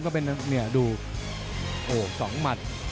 ก็เป็นเนี่ยดูโอ้โห๒หมัด